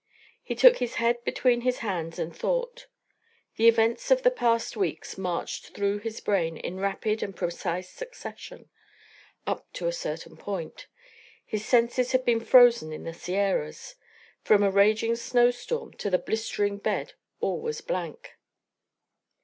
He took his head between his hands and thought; the events of the past weeks marched through his brain in rapid and precise succession up to a certain point: his senses had been frozen in the Sierras. From a raging snowstorm to this blistering bed all was blank.